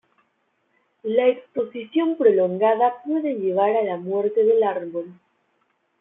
La exposición prolongada puede llevar a la muerte del árbol.